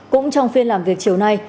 cũng trong phiên làm việc chiều nay